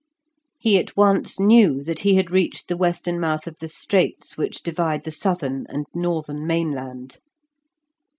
He at once knew that he had reached the western mouth of the straits which divide the southern and northern mainland.